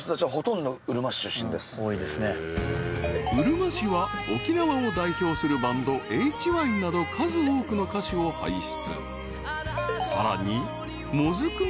［うるま市は沖縄を代表するバンドＨＹなど数多くの歌手を輩出］